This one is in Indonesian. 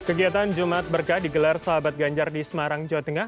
kegiatan jumat berkah digelar sahabat ganjar di semarang jawa tengah